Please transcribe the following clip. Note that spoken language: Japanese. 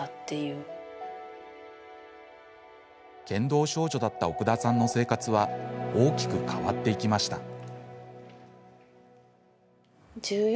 剣道少女だった奥田さんの生活は大きく変わっていきました。